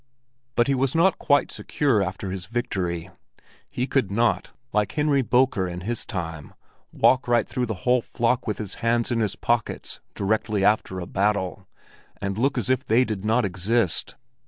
But he was not quite secure after his victory. He could not, like Henry Boker in his time, walk right through the whole flock with his hands in his pockets directly after a battle, and look as if they did not exist.